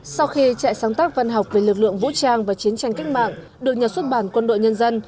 sau khi trại sáng tác văn học về lực lượng vũ trang và chiến tranh cách mạng được nhà xuất bản quân đội nhân dân